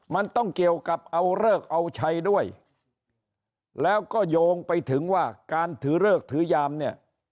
มันต้องเกี่ยวกับเอาเลิกเอาชัยด้วยแล้วก็โยงไปถึงว่าการถือเลิกถือยามเนี่ย